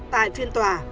tại phiên tòa